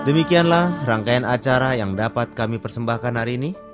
demikianlah rangkaian acara yang dapat kami persembahkan hari ini